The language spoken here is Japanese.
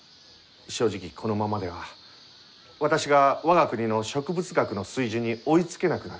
正直このままでは私が我が国の植物学の水準に追いつけなくなる。